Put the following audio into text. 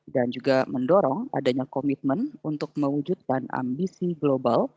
juga mendorong adanya komitmen untuk mewujudkan ambisi global